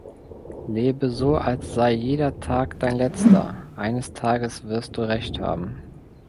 Lebe so als sei jeder Tag dein letzter, eines Tages wirst Du recht haben.